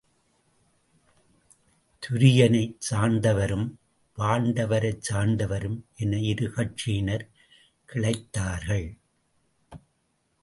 துரியனைச் சார்ந்தவரும் பாண்டவரைச் சார்ந்தவரும் என இரு கட்சியினர் கிளைத் தார்கள்.